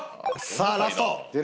さあラスト。